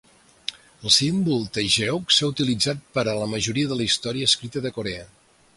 El símbol taegeuk s'ha utilitzat per a la majoria de la història escrita de Corea.